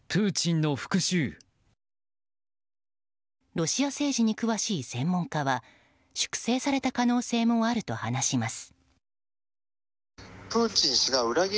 ロシア政治に詳しい専門家は粛清された可能性もあると話します。